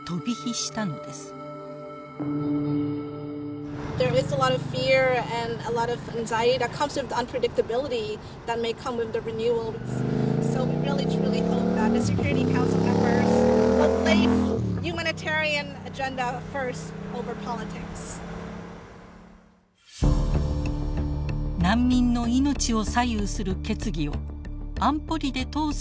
難民の命を左右する決議を安保理で通すことはできるのか。